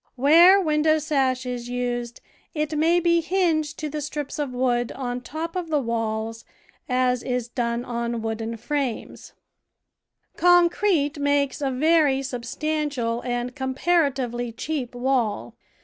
Where window sash is used, it may be hinged to CONSTRUCTION AND CARE OF HOTBEDS the strips of wood on top of the walls, as is done on wooden frames. Concrete makes a very substantial and com paratively cheap wall.